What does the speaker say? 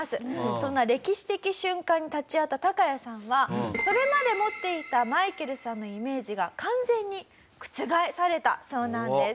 そんな歴史的瞬間に立ち会ったタカヤさんはそれまで持っていたマイケルさんのイメージが完全に覆されたそうなんです。